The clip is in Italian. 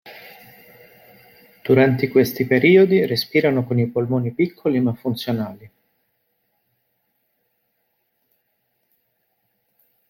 Durante questi periodi, respirano con i polmoni piccoli ma funzionali.